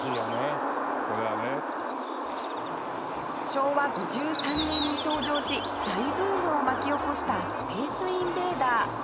昭和５３年に登場し大ブームを巻き起こした『スペースインベーダー』